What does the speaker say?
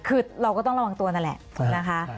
คือเราก็ต้องระวังตัวนั่นแหละนะคะ